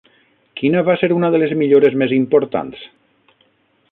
Quina va ser una de les millores més importants?